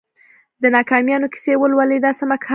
د ناکامیونو کیسې ولولئ دا سمه لار ده.